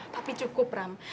tapi cukup ram